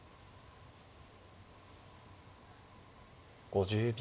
５０秒。